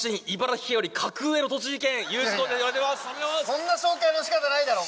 そんな紹介の仕方ないだろ！